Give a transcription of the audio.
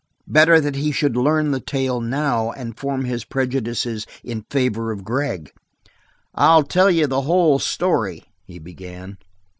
Better that he should learn the tale now and form his prejudices in favor of Gregg. "I'll tell you the whole story," he began.